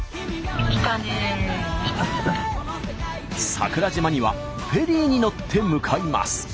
桜島にはフェリーに乗って向かいます。